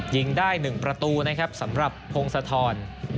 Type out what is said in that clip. ยิงได้๑ประตูนะครับสำหรับพงศธร